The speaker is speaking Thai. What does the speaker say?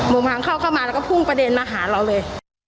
โมงเข้าเข้ามาแล้วก็พุ่งประเด็นมาหาเราเลย